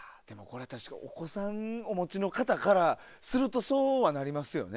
お子さんお持ちの方からするとそうなりますよね。